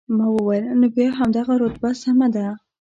ما وویل، نو بیا همدغه رتبه سمه ده.